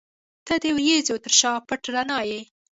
• ته د وریځو تر شا پټ رڼا یې.